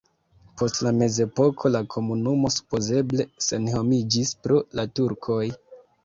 Post la mezepoko la komunumo supozeble senhomiĝis pro la turkoj.